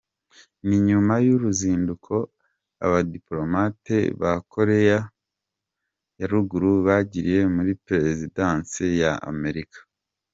Ni nyuma y’uruzinduko abadipolomate ba Koreya ya Ruguru bagiriye muri Perezidansi ya Amerika.